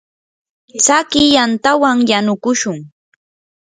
tsakiy yantawan yanukushun.